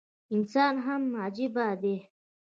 انسان هم عجيبه دی